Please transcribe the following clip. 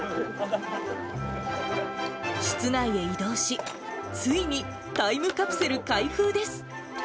室内へ移動し、ついにタイムカプセル開封です。